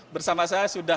bersama saya sudah